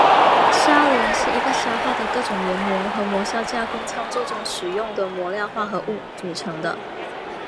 砂轮是一个消耗的各种研磨和磨削加工操作中使用的磨料化合物组成的。